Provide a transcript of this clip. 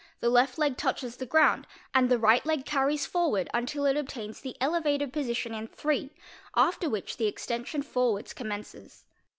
the left leg touches the ground and the ight leg carries forward until it obtains the elevated position in III. after which the extension forwards commences.